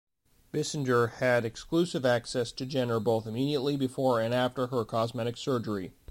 Bissinger had exclusive access to Jenner both immediately before and after her cosmetic surgery.